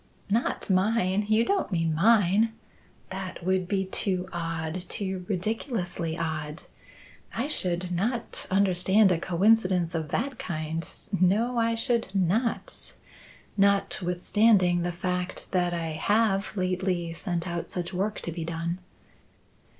"Not mine? You don't mean mine? That would be too odd too ridiculously odd. I should not understand a coincidence of that kind; no, I should not, notwithstanding the fact that I have lately sent out such work to be done."